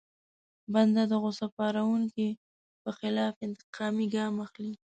بنده د غوسه پاروونکي په خلاف انتقامي ګام اخلي.